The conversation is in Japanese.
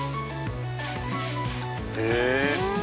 へえ！